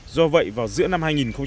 do vậy vào giữa năm hai nghìn một mươi bốn